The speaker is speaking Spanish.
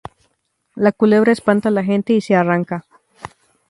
La culebra espanta a la gente y se arranca.